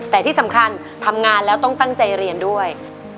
แต่ที่สำคัญทำงานแล้วต้องตั้งใจเรียนด้วย